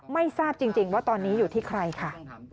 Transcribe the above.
ไม่ทราบจริงว่าตอนนี้อยู่ที่ใครค่ะ